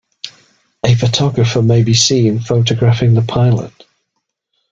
A photographer may be seen photographing the pilot.